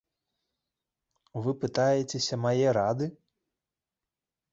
Вы пытаецеся мае рады?